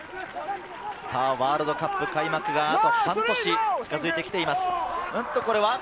ワールドカップ開幕があと半年に近づいてきています。